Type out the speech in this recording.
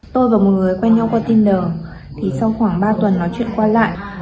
tôi và một người quen nhau qua tinder sau khoảng ba tuần nói chuyện qua lại